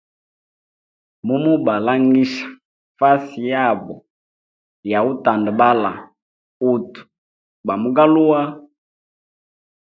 Mumu balangija fasi yabo yautandabala utu bamu galuwa.